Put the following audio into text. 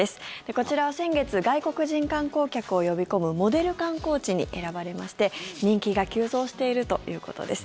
こちらは先月外国人観光客を呼び込むモデル観光地に選ばれまして人気が急増しているということです。